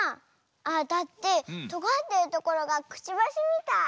あだってとがってるところがくちばしみたい。